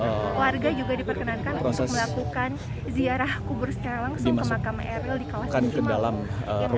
keluarga juga diperkenankan untuk melakukan ziarah kubur secara langsung ke makam eril di kawasan cimalang